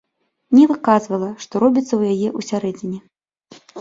Не выказвала, што робіцца ў яе ўсярэдзіне.